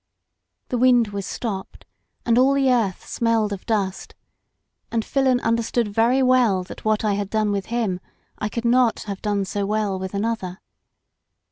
"The wind was stopped and all the earth smelled of dust, and Filon tmderstood very well that what I had done with him I could not have done so well with another.